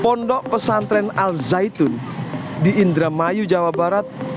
pondok pesantren al zaitun di indramayu jawa barat